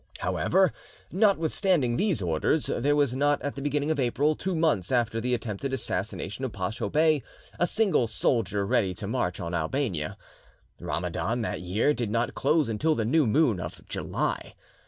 However, notwithstanding these orders, there was not at the beginning of April, two months after the attempted assassination of Pacho Bey, a single soldier ready to march on Albania. Ramadan, that year, did not close until the new moon of July.